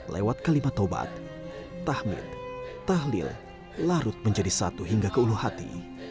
lewat kalimat tobat tahmid tahlil larut menjadi satu hingga ke uluh hati